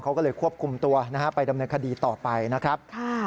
เขาก็เลยควบคุมตัวนะฮะไปดำเนินคดีต่อไปนะครับ